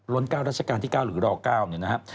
ล้น๙ราชการที่๙หรือรอ๙นี่นะครับ